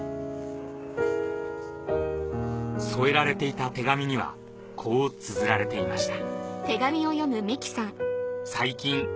添えられていた手紙にはこう綴られていました